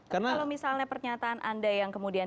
kalau misalnya pernyataan anda yang kemudian